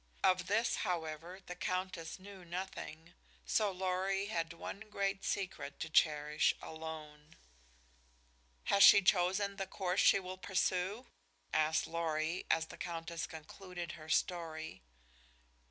Of this, however, the Countess knew nothing, so Lorry had one great secret to cherish alone. "Has she chosen the course she will pursue?" asked Lorry, as the Countess concluded her story.